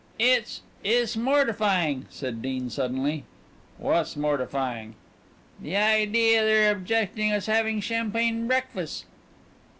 "It's it's mortifying," said Dean suddenly. "Wha's mortifying?" "The idea their objecting us having champagne breakfast."